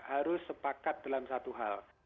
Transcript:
harus sepakat dalam satu hal